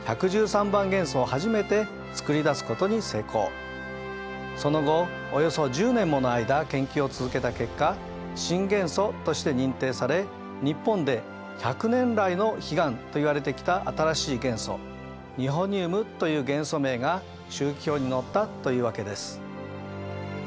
そしてその後およそ１０年もの間研究を続けた結果新元素として認定され日本で１００年来の悲願といわれてきた新しい元素ニホニウムという元素名が周期表に載ったというわけです。